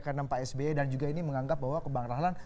karena pak sby dan juga ini menganggap bahwa kebangkalan